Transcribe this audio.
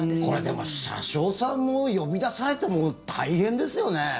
これでも、車掌さんも呼び出されても大変ですよね。